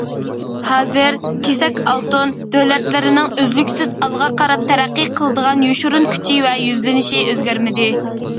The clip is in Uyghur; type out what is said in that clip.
ھازىر،« كېسەك ئالتۇن» دۆلەتلىرىنىڭ ئۆزلۈكسىز ئالغا قاراپ تەرەققىي قىلىدىغان يوشۇرۇن كۈچى ۋە يۈزلىنىشى ئۆزگەرمىدى.